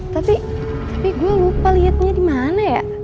tapi gue lupa liatnya dimana ya